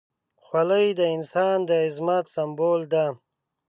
خولۍ د انسان د عظمت سمبول ده.